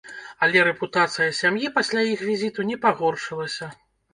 Але рэпутацыя сям'і пасля іх візіту не пагоршылася.